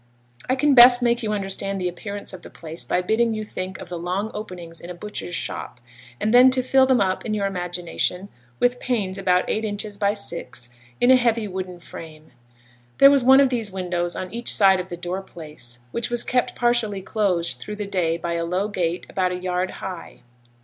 I can best make you understand the appearance of the place by bidding you think of the long openings in a butcher's shop, and then to fill them up in your imagination with panes about eight inches by six, in a heavy wooden frame. There was one of these windows on each side the door place, which was kept partially closed through the day by a low gate about a yard high.